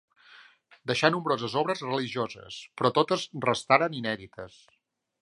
Deixà nombroses obres religioses, però totes restaren inèdites.